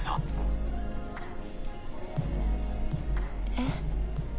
えっ。